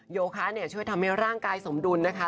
โยคะช่วยทำให้ร่างกายสมดุลนะคะ